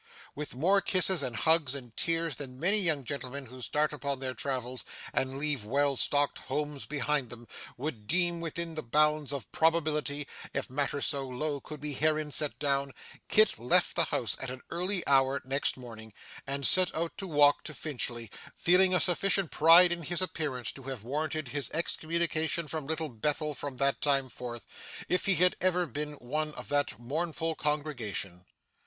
With more kisses, and hugs, and tears, than many young gentlemen who start upon their travels, and leave well stocked homes behind them, would deem within the bounds of probability (if matter so low could be herein set down), Kit left the house at an early hour next morning, and set out to walk to Finchley; feeling a sufficient pride in his appearance to have warranted his excommunication from Little Bethel from that time forth, if he had ever been one of that mournful congregation.